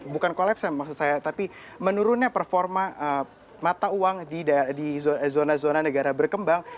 bukan kolaps maksud saya tapi menurunnya performa mata uang di zona zona negara berkembang